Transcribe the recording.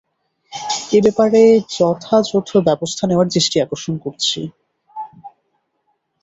এ ব্যাপারে যথাযথ ব্যবস্থা নেওয়ার দৃষ্টি আকর্ষণ করছি।